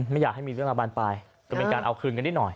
ไม่อยากให้มีเรื่องราวบานปลายก็เป็นการเอาคืนกันนิดหน่อย